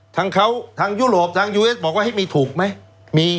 ทางเขาทางยุโรปทางยูเอสบอกว่ามีถูกไหมมี